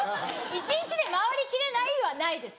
「一日で回り切れない」はないです。